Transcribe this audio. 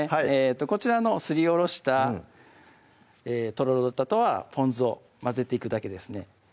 こちらのすりおろしたとろろとあとはぽん酢を混ぜていくだけですね